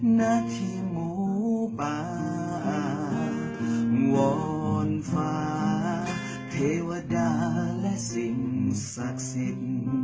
หน้าที่หมูป่าวอนฟ้าเทวดาและสิ่งศักดิ์สิทธิ์